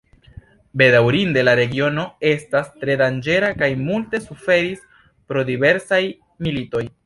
Bedaŭrinde la regiono estas tre danĝera kaj multe suferis pro diversaj militoj.